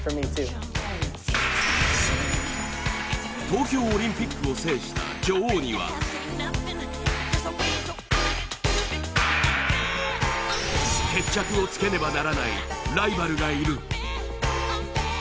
東京オリンピックを制した女王には決着をつけねばならないライバルがいる。